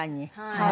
はい。